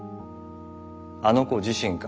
あの子自身か？